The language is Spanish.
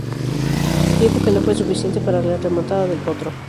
Tiempo que no fue suficiente para la remontada del Potro.